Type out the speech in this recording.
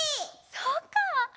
そっか！